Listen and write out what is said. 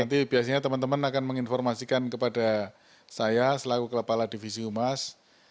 nanti biasanya teman teman akan menginformasikan kepada saya selalu ke kepala divisi umas